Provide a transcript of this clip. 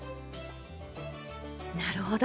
なるほど。